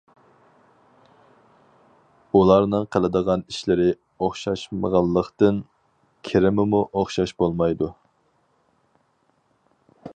ئۇلارنىڭ قىلىدىغان ئىشلىرى ئوخشاشمىغانلىقتىن، كىرىمىمۇ ئوخشاش بولمايدۇ.